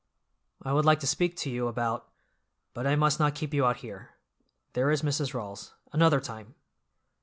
"I would like to speak to you about—But I must not keep you out here. There is Mrs. Rawls. Another time!"